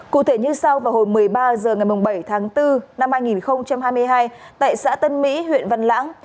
cụ thể như sau vào hồi một mươi ba h ngày bảy tháng bốn năm hai nghìn hai mươi hai tại xã tân mỹ huyện văn lãng